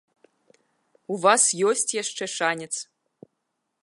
У вас ёсць яшчэ шанец!